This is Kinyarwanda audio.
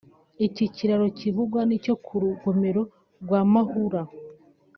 Iki kiraro kivugwa ni icyo ku Rugomero rwa Mahura